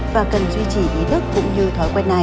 và cần duy trì ý thức cũng như thói quen này